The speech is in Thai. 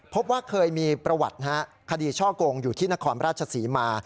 พบว่าเคยมีประวัติคดีช่อกงอยู่ที่นครราชศรีมา